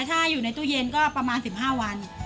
ถ้าอยู่ในตู้เย็นก็ประมาณ๑๕วัน